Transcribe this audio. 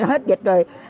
hết dịch rồi